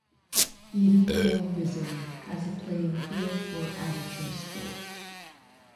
Edendale Reserve has a playing field for amateur sport.